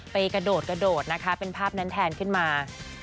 ไปกระโดดเป็นภาพนั้นแทนขึ้นมา